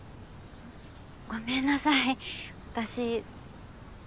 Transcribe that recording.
ごめんなさい私。